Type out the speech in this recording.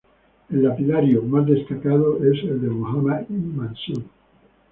El lapidario más destacado es el de Muhammad Ibn Mansur.